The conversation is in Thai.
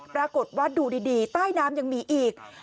ปรากฏว่าดูดีใต้น้ำยังมีอีก